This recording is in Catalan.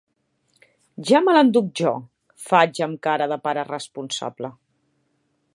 Ja me l'enduc jo —faig, amb cara de pare responsable—.